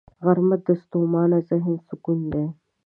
غرمه د ستومانه ذهن سکون دی